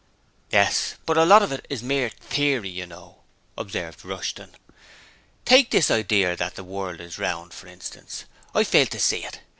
'Yes: but a lot of it is mere theory, you know,' observed Rushton. 'Take this idear that the world is round, for instance; I fail to see it!